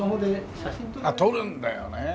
あっ撮るんだよねえ。